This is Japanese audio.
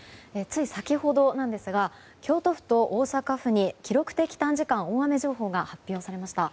つい先ほどなんですが京都府と大阪府に記録的短時間大雨情報が発表されました。